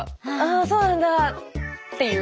「あそうなんだ」っていう。